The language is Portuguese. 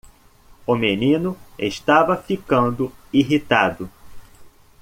O menino estava ficando irritado.